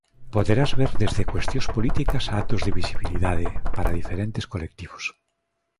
Poderás ver desde cuestións políticas a actos de visibilidade para diferentes colectivos.